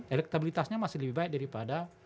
elektabilitasnya masih lebih baik daripada